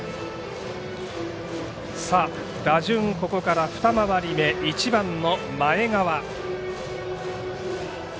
打順はここから二回り目１番の前川。